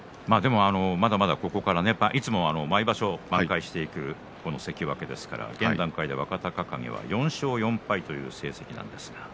まだまだ、ここから毎場所盛り返していく関脇ですから現段階では４勝４敗という成績です。